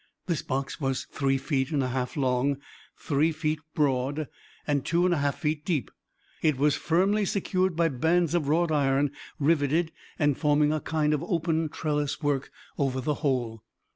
This box was three feet and a half long, three feet broad, and two and a half feet deep. It was firmly secured by bands of wrought iron, riveted, and forming a kind of open trellis work over the whole.